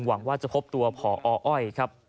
หวังว่าจะพบตัวพออ้อยครับ